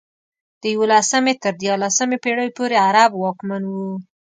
د یولسمې تر دیارلسمې پېړیو پورې عرب واکمن وو.